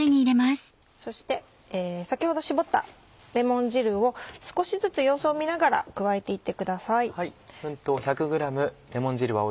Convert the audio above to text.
そして先ほど搾ったレモン汁を少しずつ様子を見ながら加えて行ってください。